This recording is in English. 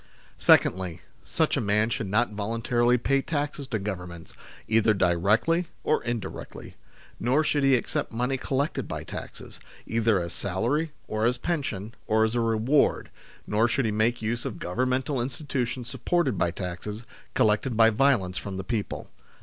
Secondly, such a man should not voluntarily pay taxes to Governments, either directly or in directly ; nor should he accept money collected l>y taxes, either as salary, or as pension, or as a reward, nor should he make use of Govern mental institutions supported by taxes collected by violence from the people.